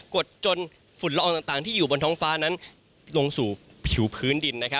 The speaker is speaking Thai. ดจนฝุ่นละอองต่างที่อยู่บนท้องฟ้านั้นลงสู่ผิวพื้นดิน